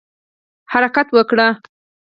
حرکت وکړئ